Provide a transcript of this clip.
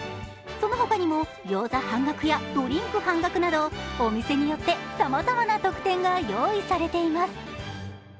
そのほかにも餃子半額やドリンク半額など、お店によってさまざまな特典が用意されています。